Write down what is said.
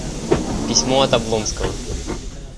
Письмо от Облонского.